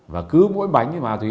và cứ mỗi bánh màu tí